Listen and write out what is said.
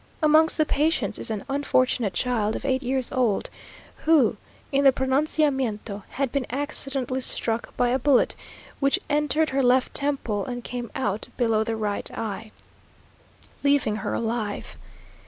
Amongst the patients is an unfortunate child of eight years old, who in the pronunciamiento had been accidentally struck by a bullet, which entered her left temple and came out below the right eye, leaving her alive.